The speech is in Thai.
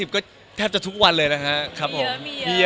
ก็แทบจะทุกวันเลยนะครับผม